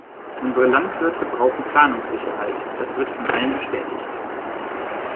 Unsere Landwirte brauchen Planungssicherheit, das wird von allen bestätigt.